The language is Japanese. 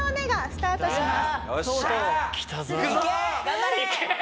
頑張れ！